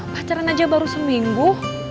pacaran aja baru seminggu